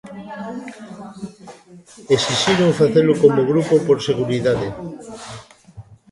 Exixiron facelo como grupo por seguridade.